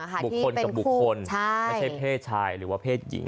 บุคคลกับบุคคลไม่ใช่เพศชายหรือว่าเพศหญิง